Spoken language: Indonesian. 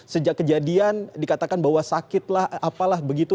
sejak kejadian dikatakan bahwa sakitlah apalah begitu